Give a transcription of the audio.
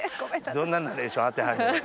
どんなナレーション当てはんねやろ。